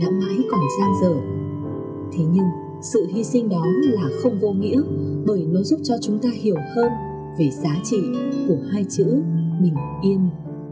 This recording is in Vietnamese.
hãy đăng kí cho kênh lalaschool để không bỏ lỡ những video hấp dẫn